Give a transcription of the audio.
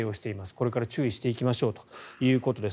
これから注意していきましょうということです。